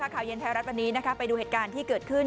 ข่าวเย็นไทยรัฐวันนี้ไปดูเหตุการณ์ที่เกิดขึ้น